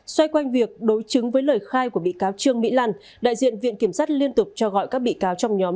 xoay quanh việc đối chứng với lời khai của bị cáo trương mỹ lan đại diện viện kiểm sát liên tục cho gọi các bị cáo trong nhóm